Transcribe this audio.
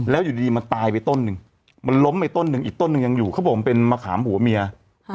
แล้วอยู่ดีมันตายไปต้นหนึ่งมันล้มไปต้นหนึ่งอีกต้นหนึ่งยังอยู่เขาบอกมันเป็นมะขามหัวเมีย